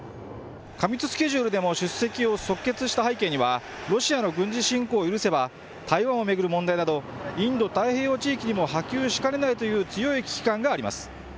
過密スケジュールでも出席を即決した背景には、ロシアの軍事侵攻を許せば、台湾を巡る問題など、インド太平洋地域にも波及しかねないという強い危機感があります。